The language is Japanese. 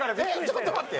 ちょっと待って。